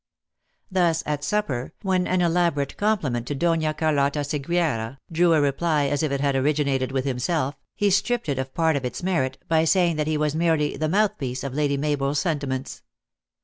Thus, at supper, when an elaborate compliment to Dona Carlotta Seguiera, drew a reply as if it had originated with himself, he stripped it of part of its merit by saying that he was merely the mouth piece of Lady Mabel s sentiments.